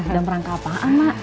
dan rangka apaan mak